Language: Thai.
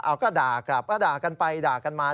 เอาก็ด่ากลับก็ด่ากันไปด่ากันมา